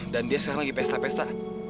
dan dia sekarang lagi pesta pesta